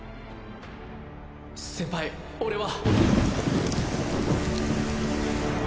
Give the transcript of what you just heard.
先輩俺は